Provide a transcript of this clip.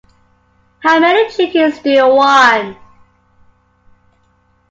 How many chickens do you want?